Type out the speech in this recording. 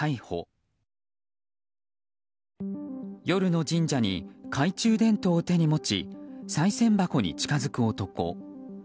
夜の神社に懐中電灯を手に持ちさい銭箱に近づく男。